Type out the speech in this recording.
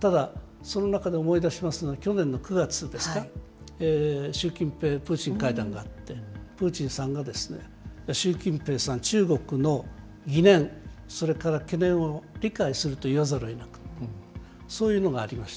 ただ、その中で思い出しますのは、去年の９月ですか、習近平、プーチン会談があって、プーチンさんが、習近平さん、中国の疑念、それを理解すると言わざるをえない、そういうのがありました。